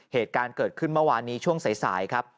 เหตุการณ์เกิดขึ้นเมื่อวานนี้ช่วงสายครับ